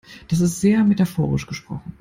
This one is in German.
Das ist sehr metaphorisch gesprochen.